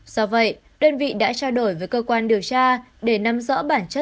do vậy đơn vị đã trao đổi với cơ quan điều tra để nắm rõ bản chất